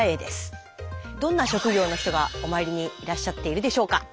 どんな職業の人がお参りにいらっしゃっているでしょうか？